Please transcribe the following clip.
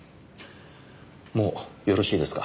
もうよろしいですか？